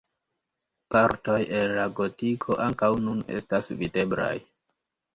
Partoj el la gotiko ankaŭ nun estas videblaj.